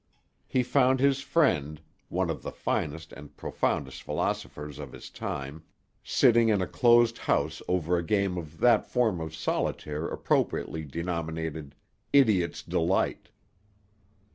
He found his friend, one of the finest and profoundest philosophers of his time, sitting in a closed house over a game of that form of solitaire appropriately denominated "Idiot's Delight."